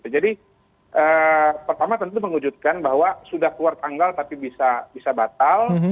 jadi pertama tentu mengujudkan bahwa sudah keluar tanggal tapi bisa batal